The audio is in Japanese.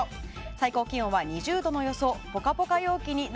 最高気温は２０度の予想。